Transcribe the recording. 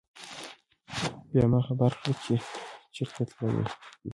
بيا ما خبر کړه چې چرته تلل دي